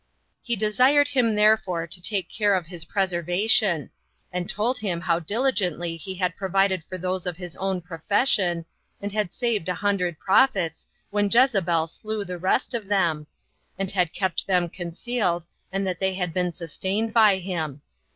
He desired him therefore to take care of his preservation; and told him how diligently he had provided for those of his own profession, and had saved a hundred prophets, when Jezebel slew the rest of them, and had kept them concealed, and that they had been sustained by him.